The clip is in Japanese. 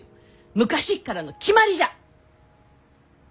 昔っからの決まりじゃ！